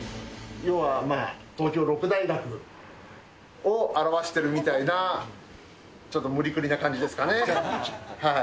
要はまあ、東京六大学を表してるみたいな、ちょっと無理くりな感じですかね。